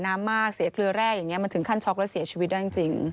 มากเสียเครือแร่อย่างนี้มันถึงขั้นช็อกแล้วเสียชีวิตได้จริง